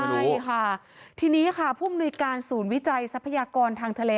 ใช่ค่ะทีนี้ค่ะผู้มนุยการศูนย์วิจัยทรัพยากรทางทะเล